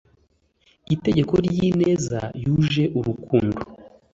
itegeko ry ineza yuje urukundo